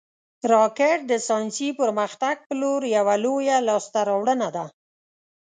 راکټ د ساینسي پرمختګ پر لور یوه لویه لاسته راوړنه ده